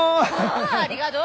ああありがとう。